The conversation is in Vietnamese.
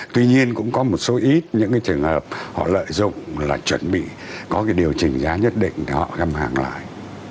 tuy nhiên cũng có một số ít những cái trường hợp họ lợi dụng là chuẩn bị có cái điều chỉnh giá nhất định để họ găm hàng lại